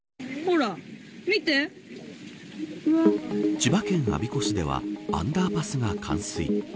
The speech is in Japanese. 千葉県我孫子市ではアンダーパスが冠水。